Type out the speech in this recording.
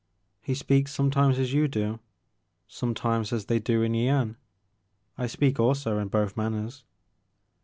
He speaks sometimes as you do, sometimes as they do in Yian. I speak also in both manners."